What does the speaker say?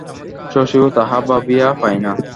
শশীও তাহা ভাবিয়া পায় না।